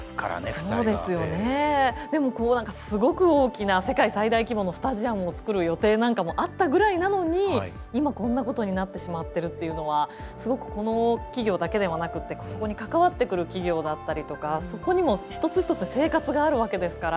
でも、すごく大きな世界最大規模のスタジアムを作る予定なんかもあったぐらいなのに今、こんなことになってしまってるというのはこの企業だけではなくてそこに関わってくる企業だったりとかそこにも、一つ一つ生活があるわけですから。